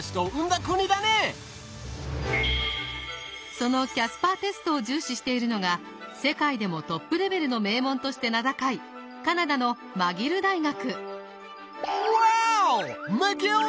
そのキャスパーテストを重視しているのが世界でもトップレベルの名門として名高いカナダのマギル大学。